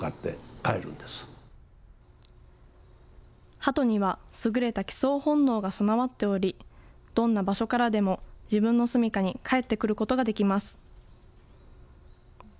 ハトには優れた帰巣本能が備わっており、どんな場所からでも自分の住みかに帰ってくることができます。